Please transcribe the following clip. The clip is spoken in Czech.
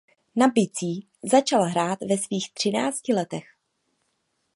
Na bicí začal hrát ve svých třinácti letech.